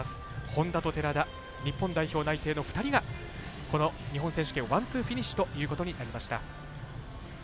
本多と寺田日本代表内定の２人がこの日本選手権のワンツーフィニッシュということになりました。